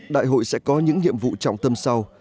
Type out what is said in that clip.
đại hội sẽ có những nhiệm vụ trọng tâm sau